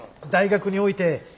大学において。